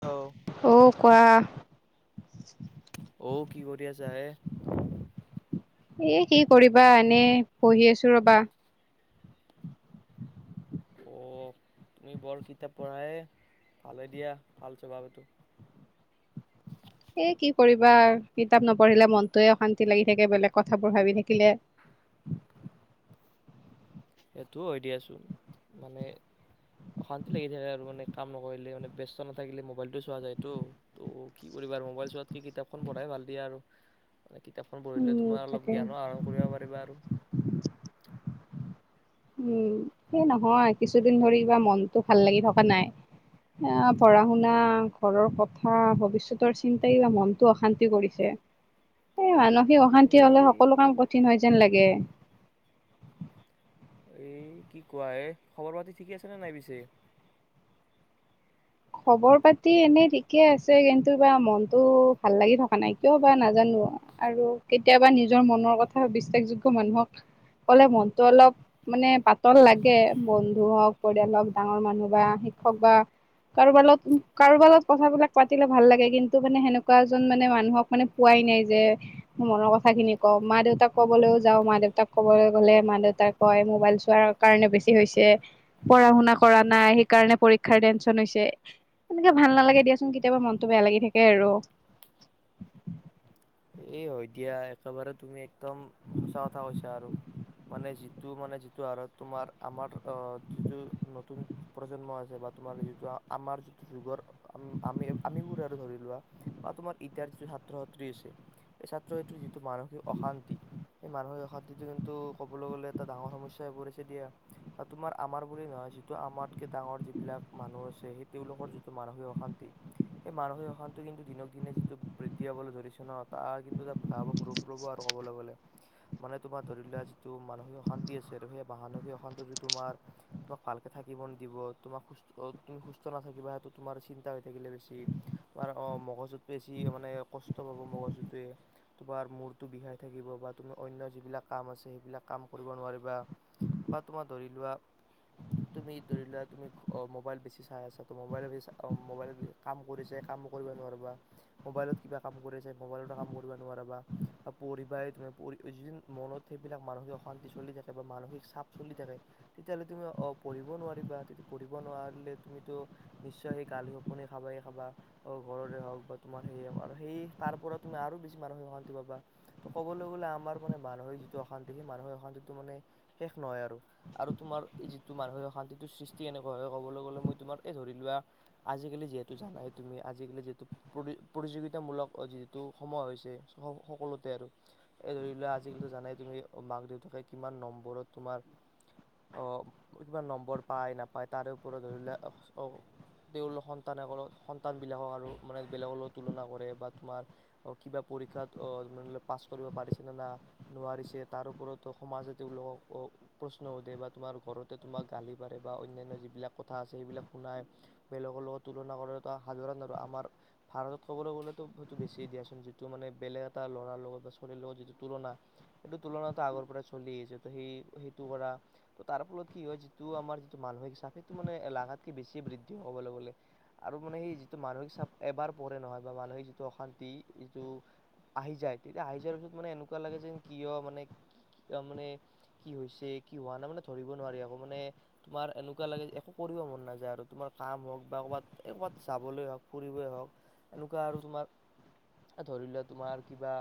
অ অঁ কোৱা। ঔ কি কৰি আছা হে? এ কি কৰিবা এনে পঢ়ি আছো ৰবা। অ তুমি বৰ কিতাপ পঢ়া হে ভালে দিয়া ভাল স্বভাৱ এটো। এ কি কৰিবা কিতাপ নপঢ়িলে মনটোৱে অশান্তি লাগি থাকে বেলেগ কথাবোৰ ভাবি থাকিলে। সেইটোও হৈ দিয়াচোন মানে। অশান্তি লাগি থাকে আৰু মানে কাম নকৰিলে মানে ব্যস্ত নাথাকিলে মোবাইলটো চোৱা যায়টো। ত কি কৰিবা আৰু মোবাইল চোৱাতকে কিতাপখন পঢ়াই ভাল দিয়া আৰু মানে কিতাপখন পঢ়িলে উম তোমাৰ তাকে অলপ জ্ঞানো আহৰণ কৰিব পাৰিবা আৰু উম সেই নহয় কিছুদিন ধৰি কিবা মনটো ভাল লাগি থকা নাই। এ পঢ়া শুনা ঘৰৰ কথা ভৱিষ্যতৰ চিন্তাই কিবা মনটো অশান্তি কৰিছে। [inaudible] এই মানসিক অশান্তি হলে এই সকলো কাম কঠিন হয় যেন লাগে। এই কি কোৱা এ খবৰ পাতি ঠিকে আছেনে নাই পিছে? খবৰ পাতি এনেই ঠিকে আছে কিন্তু বা মনতটো ভাল লাগি থকা নাই কিয় বা নাজানো। আৰু কেতিয়াবা নিজৰ মনৰ কথা বিশ্বাসযোগ্য মানুহক কলে মনটো অলপ মানে পাতল লাগে বন্ধু হওক পৰিয়াল হওক ডাঙৰ মানুহ বা শিক্ষক বা কাৰোবাৰ লগত কাৰোবাৰ লগত কথাবিলাক পাতিলে ভাল লাগে কিন্তু মানে সেনেকুৱা এজন মানে মানুহক মানে পোৱাই নাই যে মনৰ কথা খিনি ক মা দেউতাক ক'বলৈও যাও মা দেউতাক কবলৈ গলে মা দেউতাক কয় মোবাইল চোৱাৰ কাৰণে বেছি হৈছে পঢ়া শুনা কৰা নাই সেইকাৰণে পৰীক্ষাৰ হৈছে এনেকে ভাল নালাগে দিয়াচোন কেতিয়াবা মনতটো বেয়া লাগি থাকে আৰু এই হয় দিয়া একেবাৰে তুমি একদম সঁচা কথা কৈছা আৰু মানে যিটো মানে যিটো আঁৰত তোমাৰ আমাৰ অ যিটো নতুন প্ৰজন্ম আছে বা তোমাৰ যিটো আমাৰ যিটো যুগৰ আমি আমিবোৰ আৰু ধৰি লোৱা। বা তোমাৰ ইত্যাৰ যিটো ছাত্ৰ ছাত্ৰী আছে এই ছাত্ৰ ছাত্ৰীৰ যিটো মানসিক অশান্তি। সেই মানুহৰ অশান্তিটো কিন্তু ক'বলৈ গ'লে এটা ডাঙৰ সমস্যা হৈ পৰিছে দিয়া। তোমাৰ আমাৰ বুলি নহয় যিটো আমাতকে ডাঙৰ যিবিলাক মানুহ আছে সেই তেওঁলোকৰ যিটো মানসিক অশান্তি। সেই মানসিক অশান্তটো কিন্তু দিনক দিনে যিটো বৃদ্ধি পাবলৈ ধৰিছে ন তাৰ কিন্তু এ ভাব সৰুব ৰব আৰু ক'বলৈ গ'লে মানে তোমাৰ ধৰি লোৱা যিটো মানসিক অশান্তি আছে আৰু সেই মানসিক অশান্তিটো তোমাৰ তোমাক ভালকে থাকিব নিদিব তোমাক তুমি সুস্থ নাথাকিবা সটো তোমাৰ চিন্তা হৈ থাকিলে বেছি তোমাৰ অ মগজুত বেছি মানে কষ্ট পাব মগজুটো য়ে তোমাৰ মূৰটো বিষাই থাকিব বা তুমি অন্য যিবিলাক কাম আছে সেইবিলাক কাম কৰিব নোৱাৰিবা। বা তোমাৰ ধৰি লোৱা। তুমি দৰিলা তুমি মোবাইল বেছি চাই আছ তো মোবাইল বছ মোবাইল কাম কৰিছে কামো কৰিব নোৱাৰিবা মোবাইলত কিবা কাম কৰিছে মোবাইলতো কাম কৰিব নোৱাৰিবা। বা পৰিবাৰে পৰি যি মনত সেইবিলাক মানসিক অশান্তি চলি থাকে বা মানসিক চাপ চলি থাকে তেতিয়াহ'লে তুমি অ পঢ়িব নোৱাৰিবা তেতিয়া পঢ়িব নোৱাৰিলে তুমিতো নিশ্চয় সেই গালি শপনি খাবাই খাবা ঘৰৰে হওক বা তোমাৰ সেইয়ে হওক সেই তাৰ ওপৰত তুমি আৰু বেছি মানসিক অশান্তি পাবা। ত ক'বলৈ গ'লে আমাৰ মানে যিটো অশান্তি সেই মানসিক অশান্তিটো শেষ নহয় আৰু আৰু তোমাৰ এই যিটো মানসিক অশান্তিটোৰ সৃষ্টি এনেকুৱা হয় ক'বলৈ গ'লে মই তোমাৰ এই ধৰি লোৱা আজিকালি যিহেতু জানাই তুমি আজিকালি যিহেতু প্ৰতিযোগিতামূলক যি টো সময় হৈছে চ সকলোতে আৰু ধৰি আজি কিন্তু জানাই তুমি মাক দেউতাকে কিমান নম্বৰত তোমাৰ অ কিবা নম্বৰ পায় নাপায় তাৰে ওপৰত ধৰিলোৱা অ তেওঁলোক সন্তানকল সন্তান বিলাকক আৰু মানে বেলেগলৈ তুলনা কৰে বা তোমাৰ অ কিবা পৰীক্ষাত অ মান পাছ কৰিব পাৰিছেনে না। নোৱাৰিছে তাৰ ওপৰতো সমাজে তেওঁলোকক প্ৰশ্ন সোধে বা তোমাৰ ঘৰতে তোমাক গালি পাৰে বা অন্যান্য যিবিলাক কথা আছে সেইবিলাক শুনাই। বেলেগৰ লগত তুলনা কৰা এটা সাধাৰণ আৰু আমাৰ ভাৰতত ক'বলৈ গ'লেতো সেইটো বেছি দিয়াচোন যিটো মানে বেলেগ এটা ল'ৰাৰ লগত বা ছোৱালীৰ লগত যিটো তুলনা, সেইটো তুলনাটো আগৰ পৰাই চলি আহিছে তো সেই সেইটো কৰা ত তাৰ ফলত কি হয় যিটো আমাৰ যিটো মানসিক চাপ সেইটো মানে এলাগাতকে বেছি বৃদ্ধি হে ক'বলে গ'লে আৰু মানে সেই যিটো মানসিক চাপ এবাৰ পৰে নহয় বা মানসিক যিটো অশান্তি দি যিটো আহি যায় তেতিয়া আহি যোৱাৰ পিছত মানে এনেকুৱা লাগে যেন কিয় মানে ত মানে কি হৈছে কি হোৱা নাই মানে ধৰিব নোৱাৰি আকৌ মানে। তোমাৰ এনেকুৱা লাগে যে একো কৰিব মন নাযায় আৰু তোমাৰ কাম হওঁক বা ক'ৰবাত ক'ৰবাত যাবলৈ হওঁক ফুৰিবই হওক এনেকুৱা আৰু তোমাৰ। ধৰি লোৱা তোমাৰ কিবা?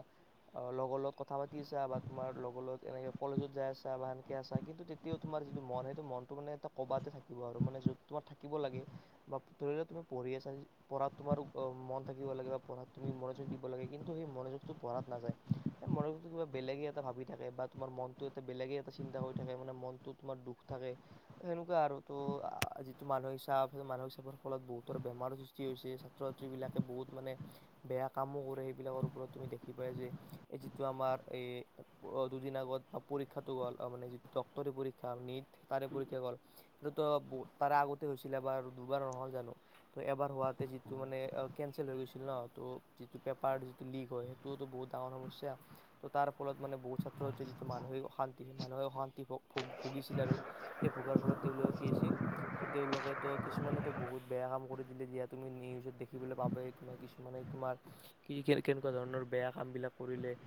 অ লগৰ লগত কথা পাতি আছা বা তোমাৰ লগৰ লগত এনেকে কলেজত যাই আছা বা আনকে আছা কিন্তু তেতিয়া তোমাৰ যিটো মন সেইটো মনটো মানে কবাতে থাকিব আৰু মানে য'ত তোমাৰ থাকিব লাগে বা ধৰি ল তুমি পঢ়ি আছা পঢ়াত তোমাৰ মন থাকিব লাগে বা পঢ়াত তুমি মনোযোগ দিব লাগে কিন্তু সেই মনোযোগটো পঢ়াত নাযায় সেই মনতো কিবা বেলেগে এটা ভাবি থাকে বা তোমাৰ মনটো এটা বেলেগে এটা চিন্তা কৰি থাকে মান মনতো তোমাৰ দুখ থাকে সেনেকুৱা আৰু ত' যিটো মানসিক চাপ মানসিক চাপৰ ফলত বহুতৰ বেমাৰো সৃষ্ট কি হৈছে ছাত্ৰ ছাত্ৰীবিলাকে বহুত মানে বেয়া কামো কৰে সেইবিলাকৰ ওপৰত তুমি দেখি পাই যে এই যিটো আমাৰ এই দুদিন আগত বা পৰীক্ষাটো হ'ল মানে যিটো ডক্টৰী পৰীক্ষা নেট তাৰে পৰীক্ষা গ'ল সেইতো তো তাৰে আগতে হৈছিলে এবাৰ দুবাৰ নহয় জানোঁ ত এবাৰ হোৱাতে যিটো মানে কেনচেল হৈ গৈছিল ন তো' যিটো পেপাৰ যিটো লীক হয় সেইটোওতো বহুত ডাঙৰ সমস্যা তো তাৰ ফলত মানে বহুত ছাত্ৰ ছাত্ৰী যিটো মানুসিক অশান্তি মানুহে অশান্তি ভুগিছিল আৰু এই ভোগাৰ ফলত তেওঁলোকৰ কি হৈছিল তো' তেওঁলোকেতো কিছুমানেতো বহুত বেয়া কাম কৰি দিলে যেতিয়া তুমি নিউজত দেখিবলৈ পাব তোমাৰ কিছুমানে তোমাৰ কি কেনেকুৱা ধৰণৰ বেয়া কাম বিলাক কৰিলে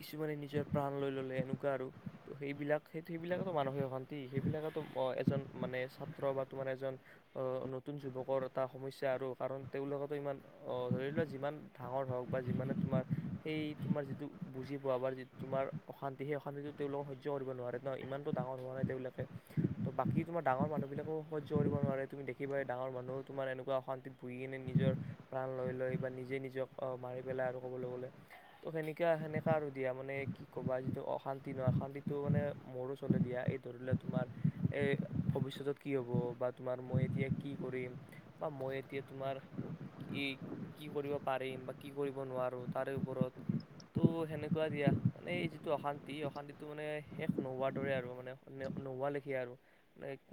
কিছুমানে নিজৰ প্ৰাণ লৈ ল'লে এনেকুৱা আৰু ত সেইবিলাক সেই সেইবিলাকো মানসিক অশান্তি সেইবিলাকতো এজন মানে ছাত্ৰ বা তোমাৰ এজন আহ নতুন যুৱকৰ এটা সমস্যা আৰু কাৰণ তেওঁলোকেতো ইমান আহ ধৰি যিমান ডাঙৰ হওঁক বা যিমানে তোমাৰ এই তোমাৰ যিটো বুজি পোৱা বা তোমাৰ অশান্তি সেই অশান্তিটো তেওঁওলোকক সহ্য কৰিব নোৱাৰে নহয় ইমানটো হোৱা নাই তেওঁলোকে ত বাকী তোমাৰ মানুহ বিলাকো সহ্য কৰিব নোৱাৰে তুমি দেখিবা ডাঙৰ মানুহো তোমাৰ এনেকুৱা অশান্তিত কিনে নিজৰ প্ৰাণ লৈ লয় বা নিজে নিজক মাৰি পেলায় আৰু ক'বলৈ গ'লে ত সেনেকা সেনেকা আৰু দিয়া মানে কি কবা যিটো অশান্তি নহয় অশান্তিটো মানে মোৰ দিয়া এই ধৰিল তোমাৰ এই ভৱিষ্যতত কি হ'ব বা তোমাৰ মই এতিয়া কি কৰিম মই এতিয়া তোমাৰ ই কি কৰিব পাৰিম বা কি কৰিব নোৱাৰোঁ তাৰে ওপৰত ত' সেনেকুৱা দিয়া মানে এই যিটো অশান্তি অশান্তিটো মানে শেষ নোহোৱাৰ দৰে আৰু মানে নোহোৱালৈকে আৰু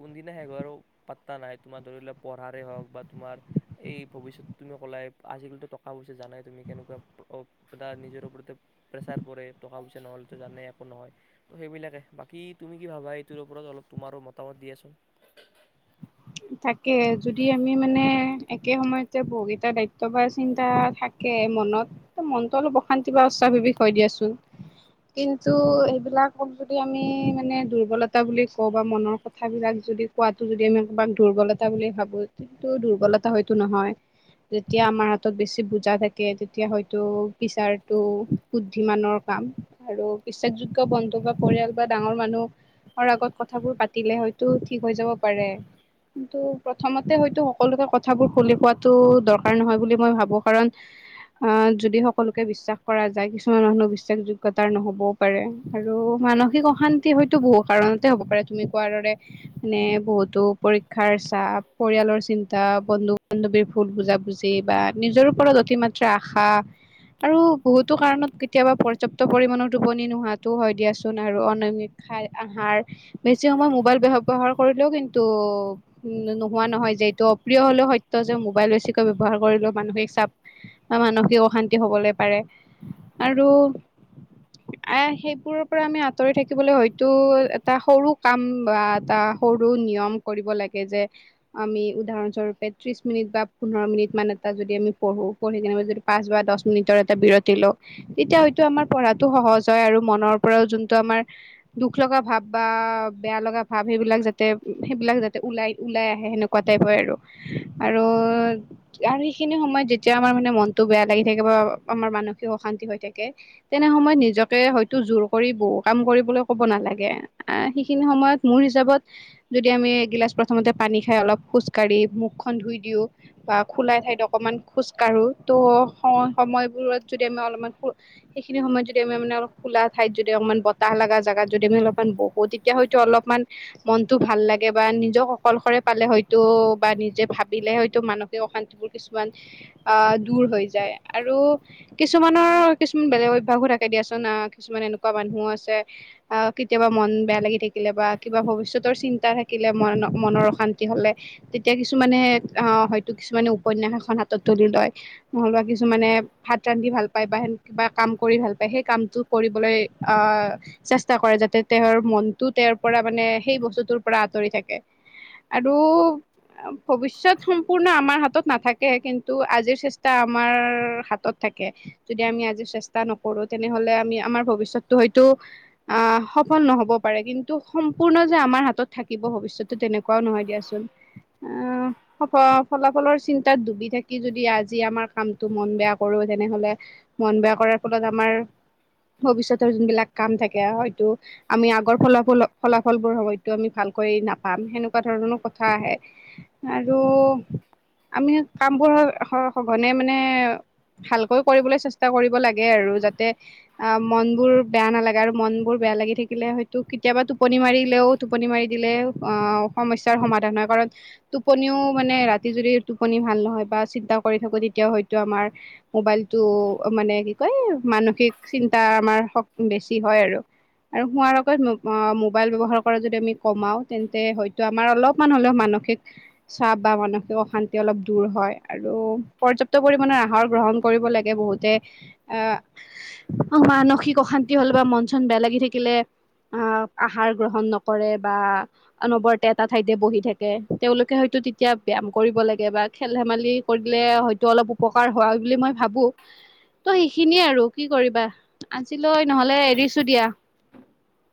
কোনদিনা শেষ হয় আৰু পাত্তা নাই তোমাৰ ধৰি লোৱা পঢ়াৰে হওঁক বা তোমাৰ এই ভৱিষ্যত তুমি ক'লাই আজিকালিতো টকা পইচা জানাই তুমি কেনেকুৱা নিজৰ ওপৰতে প্ৰেছাৰ পৰে টকা পইচা নহলেতো জানে একো নহয় ত' সেইবিলাকে বাকী তুমি কি ভাবা এইটোৰ ওপৰত অলপ তোমাৰো মতামত দিয়াচোন থাকে যদি আমি মানে একে সময়তে বহুকেইটা দায়িত্ব বা চিন্তা থাক মনত মনটো অলপ অশান্তি বা উ চাভাবিক হয় দিয়াচোন কিন্তু এইবিলাকক যদি আমি মানে দুৰ্বলতা বুলি কওঁ বা মনৰ কথাবিলাক যদি কোৱাটো যদি আমি কাৰোবাক দুৰ্বলতা বুলি ভাবো কিন্তু দুৰ্বলতা হয়তো নহয় যেতিয়া আমাৰ হাতত বেছি বুজা থাকে তেতিয়া হয়তো বিচাৰটো বুদ্ধি মানৰ কাম আৰু বিশ্বাসযোগ্য বন্ধু বা পৰিয়াল বা ডাঙৰ মানুহ আগত কথাবোৰ পাতিলে হয়তো ঠিক হৈ যাব পাৰে কিন্তু প্ৰথমতে হয়তো সকলোকে কথাবোৰ খুলি কোৱাটো দৰকাৰ নহয় বুলি মই ভাবো কাৰণ আহ যদি সকলোকে বিশ্বাস কৰা যায় কিছুমান মানুহ বিশ্বাসযোগ্যয়তাৰ নহব পাৰে আৰু মানসিক অশান্তি হয়তো বহু কাৰণতে হ'ব পাৰে তুমি কোৱাৰ দৰে নে বহুতো পৰীক্ষাৰ চাপ পৰিয়ালৰ চিন্তা বন্ধু বান্ধৱীৰ ভুল বুজাবুজি বা নিজৰ ওপৰত অতিমাত্ৰ আশা আৰু বহুতো কাৰণত কেতিয়াবা পৰ্যাপ্ত পৰিমাণৰ টোপনি নোহোৱাটো হয় দিয়াচোন আৰু অনামিক খাই আহাৰ বেছি সময় মোবাইল ব্য ব্যৱহাৰ কৰিলেও কিন্তু নোহোৱা নহয় যে এইটো অপ্ৰিয় হলেও সত্য যে মোবাইল বেছিকৈ ব্যবহাৰ কৰিলে মানসিক চাপ বা মানসিক অশান্তি হবলৈ পাৰে আৰু আহ সেইবোৰৰ পৰা আমি আঁতৰি থাকিবলৈ হয়তো এটা সৰু কাম বা এটা সৰু নিয়ম কৰিব লাগে যে আমি উদাহৰণস্বৰূপে ত্ৰিশ মিনিট বা পোন্ধৰ মিনিট মান এটা যদি আমি পঢ়ো পঢ়ি কেনে পাঁচ বা দছ মিনিটৰ এটা বিৰতি লওঁ তেতিয়া হয়তো আমাৰ পঢ়াটো সহজ হয় আৰু মনৰ পৰাও যোনটো আমাৰ দুখ লগা ভাব বা বেয়া লগা ভাব সেইবিলাক যাতে সেইবিলাক যাতে ওলাই ওলাই আহে সেনেকুৱা টাইপ হয় আৰু আৰু আৰু সেইখিনি সময়ত যেতিয়া আমাৰ মানে মনতটো বেয়া লাগি থাকে বা আমাৰ মানসিক অশান্তি হৈ থাকে তেনে সময়ত নিজকে হয়তো জোৰ কৰি বহু কাম কৰিবলৈ ক'ব নালাগে আহ সেইখিনি সময়ত মোৰ হিচাপত যদি আমি এগিলাচ প্ৰথমতে পানী খাই অলপ খোজ কাঢ়ি মুখখন ধুই দিওঁ বা খোলা ঠাইত অকমান খোজ কাঢ়ো ত' সম সময়বোৰত যদি আমি অলপমান সেইখিনি সময়ত যদি আমি মানে খোলা ঠাইত যদি অকণমান বতাহ লগা জেগাত যদি আমি অলপমান বহো তেতিয়া হয়তো অলপমান মন টো ভাল লাগে বা নিজক অকলশৰে পালে হয়তো বা নিজে ভাবিলে হয়তো মানসিক অশান্তিবোৰ কিছুমান আহ দূৰ হৈ যায় আৰু কিছুমানৰ কিছুমান বেলেগ অভ্যাসও থাকে দিয়াচোন আহ কিছুমান এনেকুৱা মানুহো আছে অ কেতিয়াবা মন বেয়া লাগি থাকিলে বা কিবা ভৱিষ্যত চিন্তা থাকিলে মন মনৰ অশান্তি হ'লে তেতিয়া কিছুমানে আহ হয়তো কিছুমানে উপন্যাস এখন হাতত তুলি লয় নহলে বা কিছুমানে ভাত ৰান্ধি ভাল পায় বা সেন কিবা কাম কৰি ভাল পায় সেই কামটো কৰিবলৈ আহ চেষ্টা কৰে যাতে তেওঁৰ মনটো তেওঁৰ পৰা মানে সেই বস্তুটোৰ পৰা আঁতৰি থাকে আৰু ভৱিষ্যত সম্পূৰ্ণ আমাৰ হাতত নাথাকে কিন্তু আজিৰ চেষ্ট টা আমাৰ হাতত থাকে যদি আমি আজি চেষ্টা নকৰো তেনেহ'লে আমি আমাৰ ভৱিষ্যতটো হয়তো আহ সফল নহ'ব পাৰে কিন্তু সম্পূৰ্ণ যে আমাৰ হাত থাকিব ভৱিষ্যটো তেনেকুৱাও নহয় দিয়াচোন। [unintelligible] স ফলাফলৰ চিন্তাত ডুবি থাকি যদি আজি আমাৰ কামটো মন বেয়া কৰো তেনেহ'লে মন বেয়া কৰাৰ ফলত আমাৰ ভৱিষ্যতৰ যোনবিলাক কাম থাকে হয়তো আমি আগৰ ফলাফল ফলাফল বোৰ আমি ভালকৈ নাপাম সেনেকুৱা ধৰণৰ কথা আহে আৰু আমি কামবোৰ স-সঘনে মানে ভালকৈ কৰিবলৈ চেষ্টা কৰিব লাগে আৰু যাতে অ মন বোৰ বেয়া নালাগে আৰু মন বোৰ বেয়া লাগি থাকিলে হয়তো কেতিয়াবা টোপনি মাৰিলেও টোপনি মাৰি দিলে সমস্যাৰ সমাধান হয় কাৰণ টোপনিও মানে ৰাতি যদি টোপনি ভাল নহয় বা চিন্তা কৰি থাকো তেতিয়াও হয়তো আমাৰ মোবাইলটো মানে কি কয় মানসিক চিন্তা আমাৰ শক বেছি হয় আৰু। আৰু শুৱাৰ আগত মোবাইল ব্যৱহাৰ পৰা আমি কমাও তেন্তে হয়তো আমাৰ অলপমান হ'লেও মানসিক চাপ বা মানসিক অশান্তি অলপ দূৰ হয় আৰু পৰ্যাপ্ত পৰিমানৰ আহাৰ গ্ৰহণ কৰিব লাগে বহুতে আহ মানসিক অশান্তি হ'লে বা মন--চন বেয়া লাগি থাকিলে আহ আহাৰ গ্ৰহণ নক কৰে বা অনবৰতে এটা ঠাইতে বহি থাকে, তেওঁলোকে হয়তো তেতিয়া ব্যায়াম কৰিব লাগে বা খেল-ধেমালী কৰি দিলে হয়তো অলপ উপকাৰ হোৱা বুলি মই ভাবো। ত' সেইখিনিয়ে আৰু কি কৰিবা আজিলৈ নহ'লে এৰিছো দিয়া। [inaudible]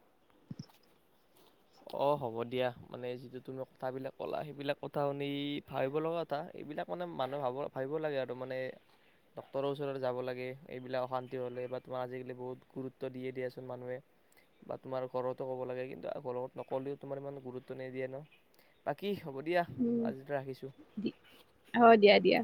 অ হ'ব দিয়া মানে যিটো তুমি কথাবিলাক ক'লা সেইবিলাক কথা শুনি ভাবিব লগা কথা এইবিলাক মানে মানুহে ভাব ভাবিব লাগে আৰু মানে ডক্তৰৰ ওচৰত যাব লাগে এইবিলাক অশান্তি হ'লে বা তোমাৰ আজিকালি বহুত গুৰুত্ব দিয়ে দিয়াচোন মানুহে। বা তোমাৰ ঘৰতো লাগে কিন্তু ঘৰত নকলি তোমাৰ ইমান গুৰুত্ব নিদিয়া ন। বাকী হ'ব দিয়া আজি ৰাখিছোঁ। হ দিয়া দিয়া।